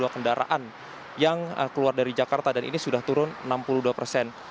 lima lima ratus delapan puluh dua kendaraan yang keluar dari jakarta dan ini sudah turun enam puluh dua persen